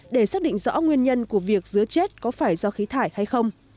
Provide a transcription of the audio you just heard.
để xác định rõ nguyên nhân của việc dứa chết có phải do khí thải hay không